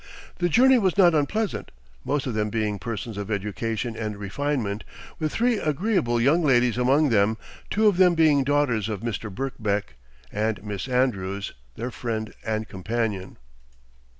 The journey was not unpleasant, most of them being persons of education and refinement, with three agreeable young ladies among them, two of them being daughters of Mr. Birkbeck, and Miss Andrews, their friend and companion.